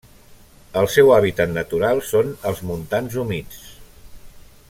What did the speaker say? El seu hàbitat natural són els montans humits.